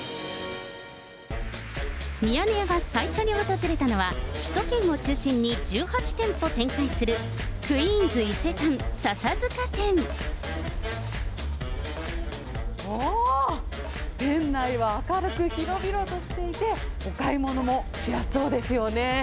ミヤネ屋が最初に訪れたのは、首都圏を中心に１８店舗展開する、ああ、店内は明るく、広々としていて、お買い物もしやすそうですよね。